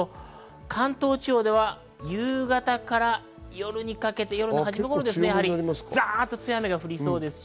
関東地方では夕方から夜にかけてざっと強い雨が降りそうです。